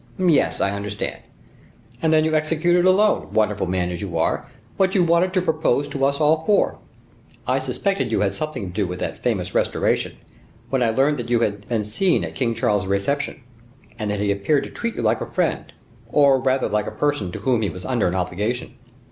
"Yes, I understand; and then you executed alone, wonderful man as you are, what you wanted to propose to us all four. I suspected you had something to do with that famous restoration, when I learned that you had been seen at King Charles's receptions, and that he appeared to treat you like a friend, or rather like a person to whom he was under an obligation."